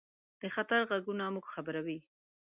د خطر غږونه موږ خبروي.